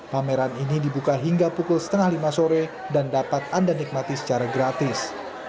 pameran ini dibuka hingga pukul setengah lima sore dan dapat anda nikmati secara gratis